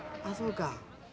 あそうか。